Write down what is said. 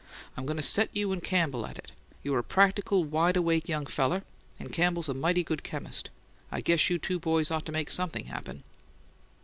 I'm going to set you and Campbell at it. You're a practical, wide awake young feller, and Campbell's a mighty good chemist; I guess you two boys ought to make something happen."